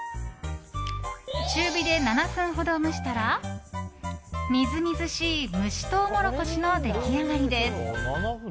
中火で７分ほど蒸したらみずみずしい蒸しトウモロコシの出来上がりです。